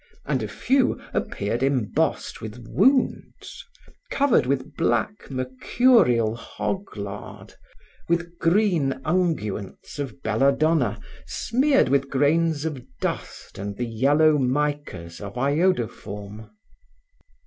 And a few appeared embossed with wounds, covered with black mercurial hog lard, with green unguents of belladonna smeared with grains of dust and the yellow micas of iodoforme.